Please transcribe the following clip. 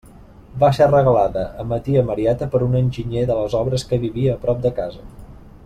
Va ser regalada a ma tia Marieta per un enginyer de les obres que vivia prop de casa.